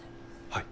はい。